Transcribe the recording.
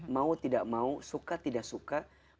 mau tidak mau suka tidak suka